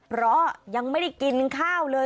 เพราะยังไม่ได้กินข้าวเลย